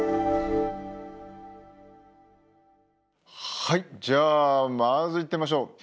はいじゃあまずいってみましょう。